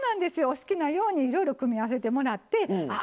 お好きなようにいろいろ組み合わせてもらってああ